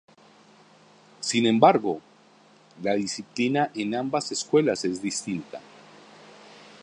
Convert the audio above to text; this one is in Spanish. Sin embargo, la disciplina en ambas escuelas es distinta.